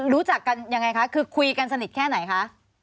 รู้จักกันยังไงคะคือคุยกันสนิทแค่ไหนคะ